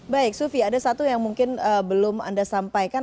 baik sufi ada satu yang mungkin belum anda sampaikan